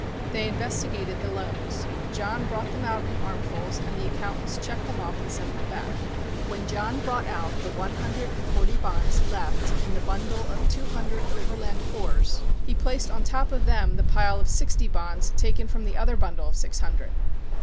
They "investigated" the loans. John brought them out in armfuls and the accountants checked them off and sent them back. When John brought out the one hundred and forty bonds left in the bundle of two hundred Overland 4s he placed on top of them the pile of sixty bonds taken from the other bundle of six hundred.